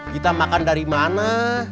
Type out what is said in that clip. kita makan dari mana